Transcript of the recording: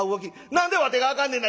何でわてがあかんねんな！」。